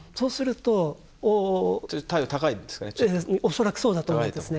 恐らくそうだと思うんですね。